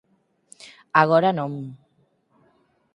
Agora non.